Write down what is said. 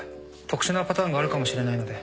特殊なパターンがあるかもしれないので。